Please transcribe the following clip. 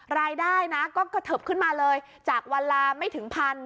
รายได้นะก็กระเทิบขึ้นมาเลยจากวันละไม่ถึงพัน